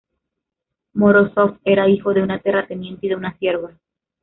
Morózov era hijo de un terrateniente y de una sierva.